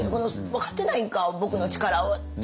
「分かってないんか僕の力を！」と。